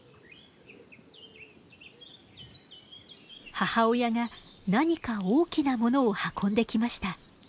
母親が何か大きなものを運んできました。